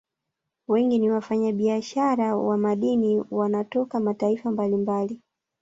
Wengine ni wafanya biashara wa madini wanatoka mataifa mbalimbali